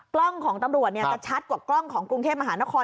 กล้องของตำรวจจะชัดกว่ากล้องของกรุงเทพมหานคร